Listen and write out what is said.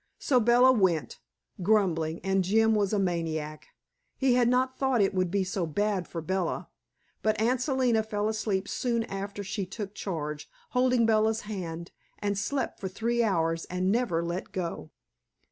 So Bella went, grumbling, and Jim was a maniac. We had not thought it would be so bad for Bella, but Aunt Selina fell asleep soon after she took charge, holding Bella's hand, and slept for three hours and never let go!